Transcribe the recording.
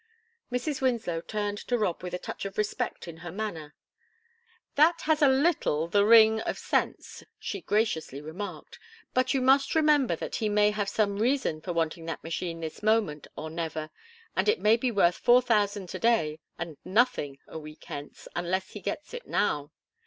Mrs. Winslow turned to Rob with a touch of respect in her manner. "That has a little the ring of sense," she graciously remarked. "But you must remember that he may have some reason for wanting that machine this moment or never, and it may be worth four thousand to day, and nothing a week hence, unless he gets it now.